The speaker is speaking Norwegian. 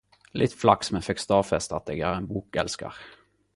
Litt flaks men fekk stadfeste att eg er ein bokelsker